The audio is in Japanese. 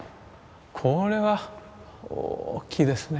これは大きいですね。